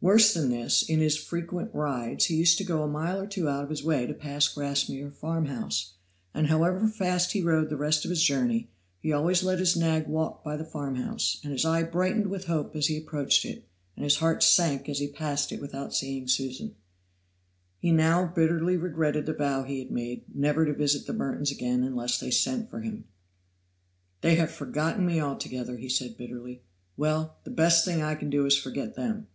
Worse than this, in his frequent rides he used to go a mile or two out of his way to pass Grassmere farmhouse; and however fast he rode the rest of his journey he always let his nag walk by the farmhouse, and his eye brightened with hope as he approached it, and his heart sank as he passed it without seeing Susan. He now bitterly regretted the vow he had made, never to visit the Mertons again unless they sent for him. "They have forgotten me altogether," said he bitterly. "Well, the best thing I can do is to forget them."